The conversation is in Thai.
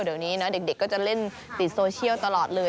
เดี๋ยวนี้นะเด็กก็จะเล่นติดโซเชียลตลอดเลย